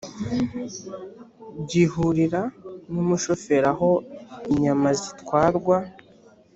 gihurira n umushoferi aho inyama zitwarwa